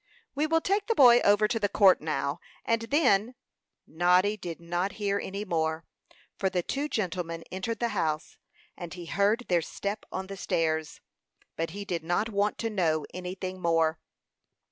"We will take the boy over to the court now, and then " Noddy did not hear any more, for the two gentlemen entered the house, and he heard their step on the stairs. But he did not want to know anything more.